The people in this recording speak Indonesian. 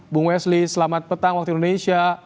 bung wesli selamat petang waktu indonesia